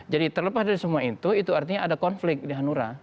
jadi terlepas dari semua itu itu artinya ada konflik di hanura